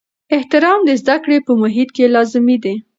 احترام د زده کړې په محیط کې لازمي دی.